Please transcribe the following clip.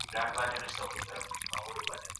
کله به د معلولو ماشومانو لپاره ځانګړي ښوونځي جوړ سي؟